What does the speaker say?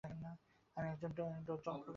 আমি একজন জল প্রকৌশলি।